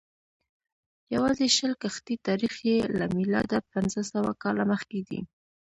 یوازې شل کښتۍ تاریخ یې له میلاده پنځه سوه کاله مخکې دی.